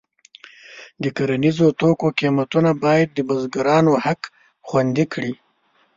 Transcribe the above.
د کرنیزو توکو قیمتونه باید د بزګرانو حق خوندي کړي.